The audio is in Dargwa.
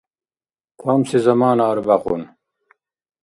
Камси замана арбякьун.